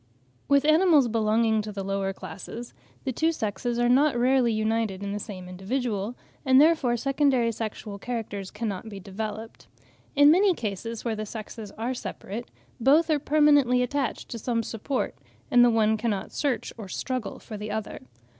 With animals belonging to the lower classes, the two sexes are not rarely united in the same individual, and therefore secondary sexual characters cannot be developed. In many cases where the sexes are separate, both are permanently attached to some support, and the one cannot search or struggle for the other.